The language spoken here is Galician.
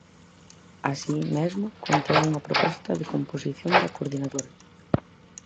Así mesmo, conterá unha proposta de composición da coordinadora.